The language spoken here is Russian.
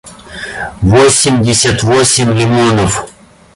восемьдесят восемь лимонов